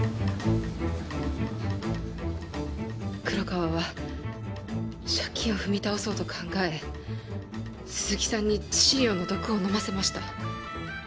黒川は借金を踏み倒そうと考え鈴木さんに致死量の毒を飲ませました